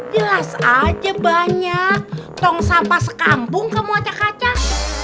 jelas aja banyak tong sampah sekampung kamu acak acak